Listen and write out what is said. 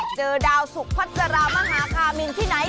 เจอดาวสุพัสรามหาคามินที่ไหน